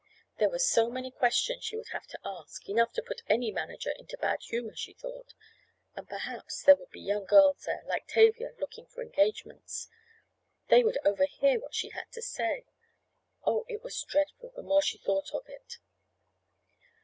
There were so many questions she would have to ask—enough to put any manager into bad humor she thought—and perhaps there would be young girls there like Tavia looking for engagements—they would overhear what she had to say. Oh, it was dreadful, the more she thought of it!